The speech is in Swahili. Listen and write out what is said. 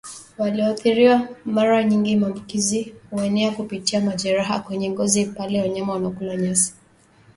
walioathiriwa Mara nyingi maambukizi huenea kupitia majeraha kwenye ngozi pale wanyama wanapokula nyasi